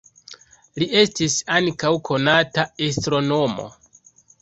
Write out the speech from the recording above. Li estis ankaŭ konata astronomo.